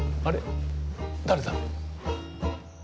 誰だ？